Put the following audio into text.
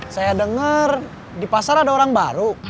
saya dengar di pasar ada orang baru